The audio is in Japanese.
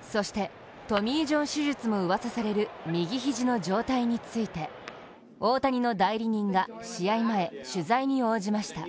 そしてトミー・ジョン手術もうわさされる右肘の状態について大谷の代理人が試合前、取材に応じました。